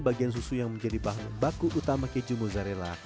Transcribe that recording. bagian susu yang menjadi bahan baku utama keju mozzarella